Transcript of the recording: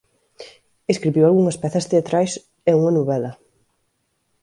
Escribiu algunhas pezas teatrais e unha novela.